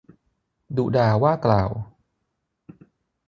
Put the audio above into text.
ดุด่าว่ากล่าว